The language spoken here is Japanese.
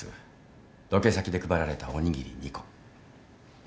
ロケ先で配られたおにぎり２個。